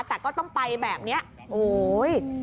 แต่ก็ต้องไปแบบนี้โอ๊ย